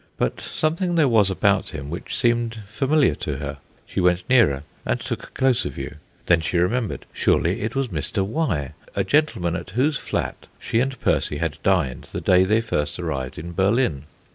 But something there was about him which seemed familiar to her. She went nearer, and took a closer view. Then she remembered. Surely it was Mr. Y., a gentleman at whose flat she and Percy had dined the day they first arrived in Berlin.